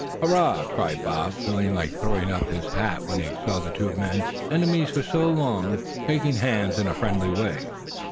"Hurrah!" cried Bob, feeling like throwing up his hat when he saw the two men, enemies for so long, shaking hands in a friendly way.